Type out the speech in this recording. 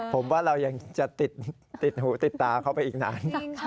ผมว่าเรายังจะติดหูติดตาเข้าไปอีกนาน